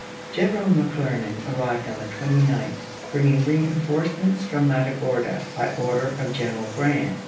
General McClernand arrived on the 29th, bringing reenforcements from Matagorda by order of General Grant.